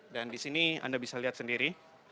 dan di sini anda bisa lihat sendiri